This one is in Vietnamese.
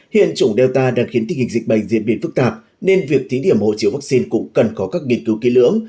hiện chủng delta đang khiến tình hình dịch bệnh diễn biến phức tạp nên việc tí điểm hộ chiếu vaccine cũng cần có các nghiên cứu ký lưỡng